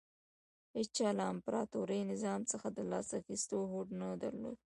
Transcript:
هېچا له امپراتوري نظام څخه د لاس اخیستو هوډ نه درلود